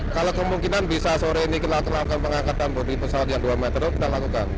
kalau kemungkinan bisa sore ini kita akan lakukan pengangkatan bodi pesawat yang dua meter kita lakukan